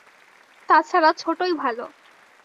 তা ছাড়া, ছোটই ভালো।